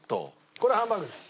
これはハンバーグです。